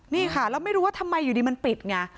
นี่ค่ะแล้วไม่รู้ว่าทำไมอยู่ดีมันปิดไง